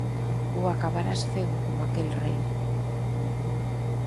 Ou acabarás cego coma aquel rei